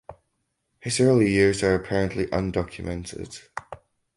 His early years are apparently undocumented.